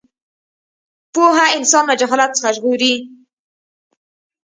پوهه انسان له جهالت څخه ژغوري.